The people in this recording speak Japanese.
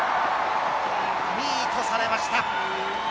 ミートされました。